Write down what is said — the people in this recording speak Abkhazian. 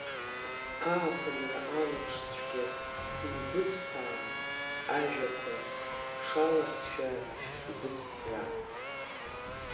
Ааԥынра алаԥшцәгьа сигәыҵԥаа, ажәақәа, ԥшаласшәа шәысгәыҵԥраа.